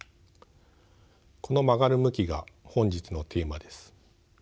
この曲がる向きが本日のテーマです。